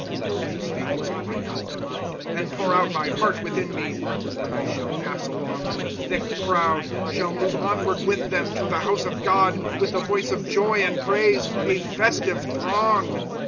These things will I call to mind, And pour out my heart within me, When I shall pass along in the thick crowd, Shall move onward with them to the house of God, With the voice of joy and praise, a festive throng.